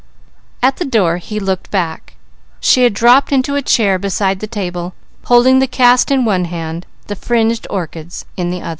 At the door he looked back. She had dropped into a chair beside the table, holding the cast in one hand, the fringed orchids in the other.